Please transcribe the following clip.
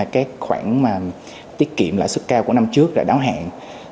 các khoản tiết kiệm lãi xuất cao của năm trước đã đáo hạn